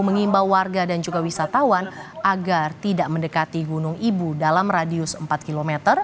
mengimbau warga dan juga wisatawan agar tidak mendekati gunung ibu dalam radius empat km